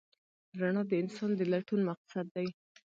رڼا د انسان د لټون مقصد دی.